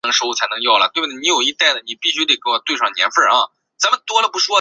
工人革命党是希腊的一个托洛茨基主义政党。